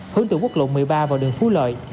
hướng từ quốc lộ một mươi ba vào đường phú lợi